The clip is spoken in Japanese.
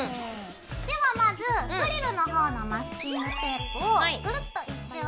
ではまずフリルの方のマスキングテープをグルッと１周貼っちゃいます。